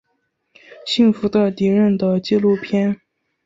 幸福的敌人的纪录片。